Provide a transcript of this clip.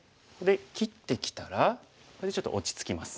切ってきたらこれでちょっと落ち着きます。